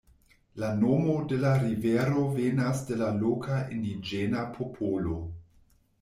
La nomo de la rivero venas de la loka indiĝena popolo.